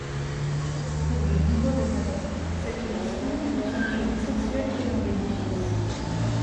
Pour de nombreux revendeurs, cette ristourne constituait l'essentiel de leur bénéfice.